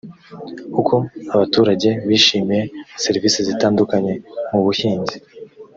uko abaturage bishimiye serivisi zitandukanye mu buhinzi